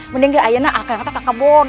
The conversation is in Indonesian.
mendingnya ayo ke akar akar kebun